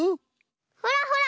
ほらほら！